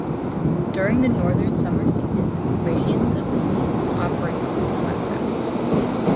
During the northern summer season, "Radiance of the Seas" operates in Alaska.